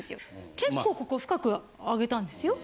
結構ここ深く上げたんですよ。